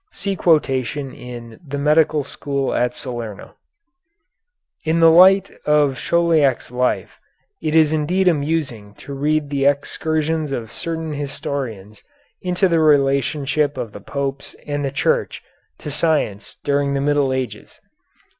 (See quotation in "The Medical School at Salerno.") In the light of Chauliac's life it is indeed amusing to read the excursions of certain historians into the relationship of the Popes and the Church to science during the Middle Ages.